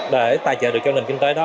để tài trợ được cho nền kinh tế đó